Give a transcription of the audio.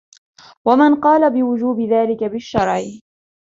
وَمَنْ قَالَ بِوُجُوبِ ذَلِكَ بِالشَّرْعِ